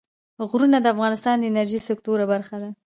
غرونه د افغانستان د انرژۍ سکتور برخه ده.